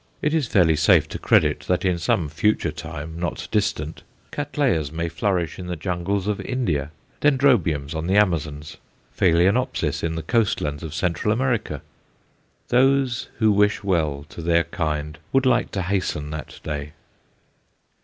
It is fairly safe to credit that in some future time, not distant, Cattleyas may flourish in the jungles of India, Dendrobiums on the Amazons, Phaloenopsis in the coast lands of Central America. Those who wish well to their kind would like to hasten that day.